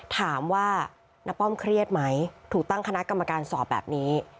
ถามว่าน้าป้อมเครียดไหมถูกตั้งคณะกรรมการสอบแบบนี้